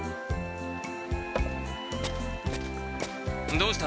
どうした？